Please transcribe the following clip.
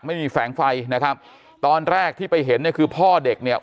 ไม่มีแฝงไฟนะครับตอนแรกที่ไปเห็นเนี่ยคือพ่อเด็กเนี่ย